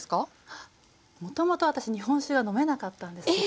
もともと私日本酒が飲めなかったんですけど。